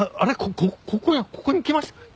ここここに来ましたっけ？